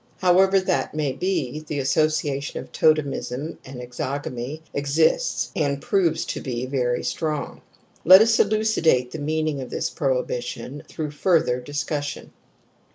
However that may be, the associa tion of totemism and exogamy exists, and proves to be very strong. Let us elucidate the meaning of this prohibi tion through further discussion.